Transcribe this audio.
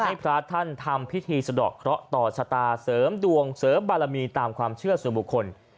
ให้พระท่านทำพิธีสะดอกเคราะห์ต่อชะตาเสริมดวงเสริมบารมีตามความเชื่อส่วนบุคคล